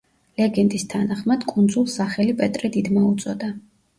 ლეგენდის თანახმად კუნძულს სახელი პეტრე დიდმა უწოდა.